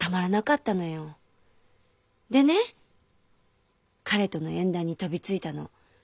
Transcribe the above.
でね彼との縁談に飛びついたの。